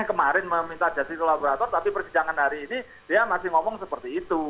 kemarin meminta justice collaborator tapi persidangan hari ini dia masih ngomong seperti itu